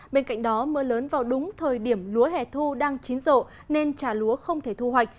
bên cạnh đó mưa lớn vào đúng thời điểm lúa hẻ thu đang chín rộ nên trà lúa không thể thu hoạch